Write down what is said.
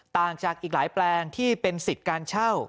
ต่างจากอีกหลายแปลงที่เป็นสิทธิ์การเช่า